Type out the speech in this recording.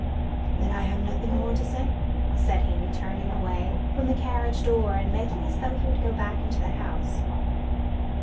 "'Then I have nothing more to say,' said he, turning away from the carriage door, and making as though he would go back into the house.